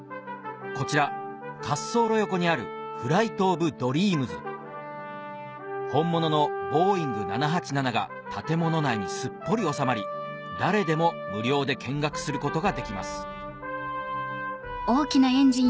こちら滑走路横にあるフライト・オブ・ドリームズ本物のボーイング７８７が建物内にすっぽり収まり誰でも無料で見学することができます